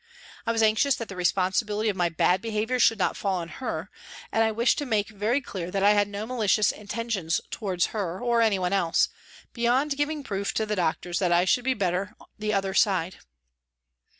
I was anxious that the responsibility of my bad behaviour should not fall on her, and I wished to make very clear that I had no malicious intentions towards her, or anyone else, beyond giving proof to the doctors that I should be better the " other side."